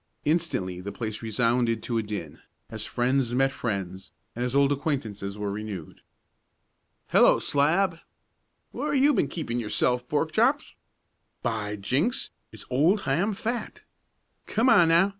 Instantly the place resounded to a din, as friends met friends, and as old acquaintances were renewed. "Hello, Slab!" "Where have you been keeping yourself, Pork Chops!" "By jinks! There's old Ham Fat!" "Come on, now!